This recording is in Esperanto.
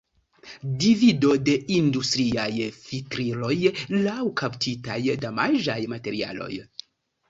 Divido de industriaj filtriloj laŭ kaptitaj damaĝaj materioj.